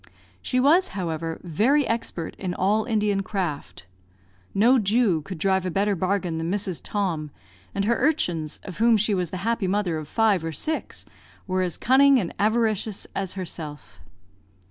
She was, however, very expert in all Indian craft. No Jew could drive a better bargain than Mrs. Tom; and her urchins, of whom she was the happy mother of five or six, were as cunning and avaricious as herself.